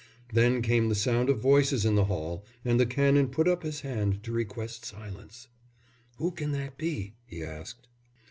Then came the sound of voices in the hall, and the Canon put up his hand to request silence. "Who can that be?" he asked.